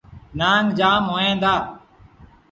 نآنگ جآم هوئين دآ۔